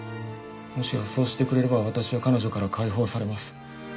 むしろそうしてくれれば私は彼女から解放されます。